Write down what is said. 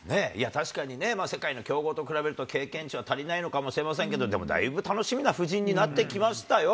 確かにね、世界の強豪と比べると、経験値は足りないのかもしれませんけれども、でもだいぶ楽しみな布陣になってきましたよ。